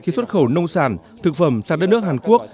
khi xuất khẩu nông sản thực phẩm sang đất nước hàn quốc